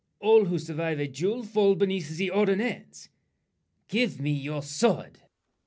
All who survive a duel fall beneath The ordinance. Give me your sword.